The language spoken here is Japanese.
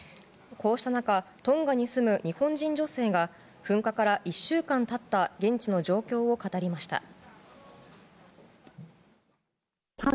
こうした中トンガに住む日本人女性が噴火から１週間経った現地の情報を語りました。